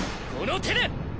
この手で！